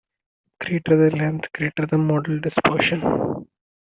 The greater the length, the greater the modal dispersion.